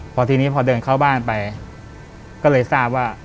พอทีนี้พอเดินเข้าบ้านไปก็เลยทราบว่า